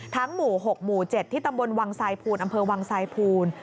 ทั้งหมู่๖หมู่๗ที่ตำบลวังสายพูนอำเภอวังสายพูน